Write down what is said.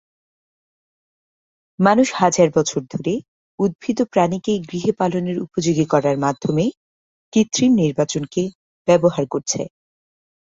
মানুষ হাজার বছর ধরে উদ্ভিদ ও প্রাণীকে গৃহে পালনের উপযোগী করার মাধ্যমে কৃত্রিম নির্বাচনকে ব্যবহার করছে।